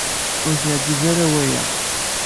Ur t-iɛejjeb ara waya.